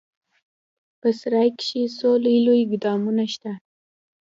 په سراى کښې څو لوى لوى ګودامونه سته.